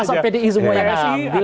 masa pdi semua yang ngasih